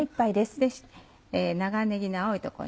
長ねぎの青い所。